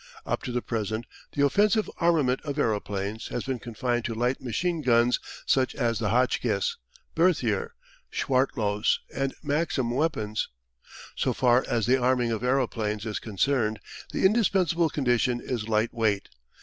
Up to the present the offensive armament of aeroplanes has been confined to light machine guns such as the Hotchkiss, Berthier, Schwartlose, and Maxim weapons. So far as the arming of aeroplanes is concerned the indispensable condition is light weight.